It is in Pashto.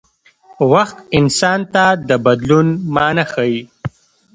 وخت انسان ته د بدلون مانا ښيي.